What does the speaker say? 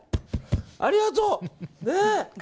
ありがとう！ねえ！